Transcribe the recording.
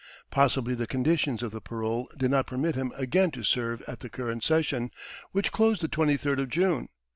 Possibly the conditions of the parole did not permit him again to serve at the current session, which closed the twenty third of June.